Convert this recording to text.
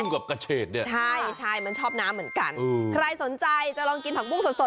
ผุ้งกับกระเชษเนี่ยใช่มันชอบน้ำเหมือนกันใครสนใจจะลองกินผังปุ้งสด